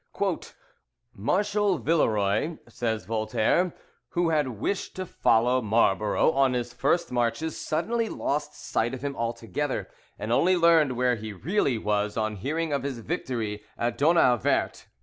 ["Marshal Villeroy," says Voltaire, "who had wished to follow Marlborough on his first marches, suddenly lost sight of him altogether, and only learned where he really was, on hearing of his victory at Donauwert."